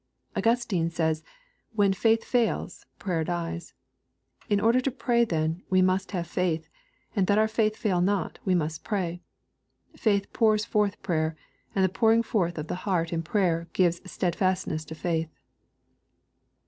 Augustine says, '* When faith focils^prayer dies. In order to pray, then, we must Tiavo faith; and^tSkrour faith fail not, we must pray. Faith pours forth prayer ; and the pouring forth oFthe heart in prayer, gi vcs stead fastness to faith."